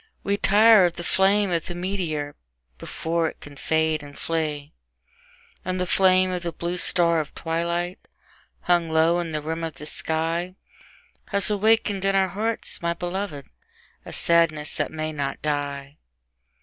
We tire of the flame of the meteor, before it can fade and flee; And the flame of the blue star of twilight, hung low on the rim of the sky, Has awakened in our hearts, my beloved, a sadness that may not die.